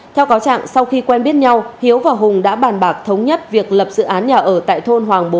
theo cáo trạng sau khi quen biết nhau hiếu và hùng đã bàn bạc thống nhất việc lập dự án nhà ở tại thôn hoàng bốn